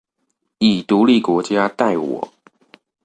以獨立國家待我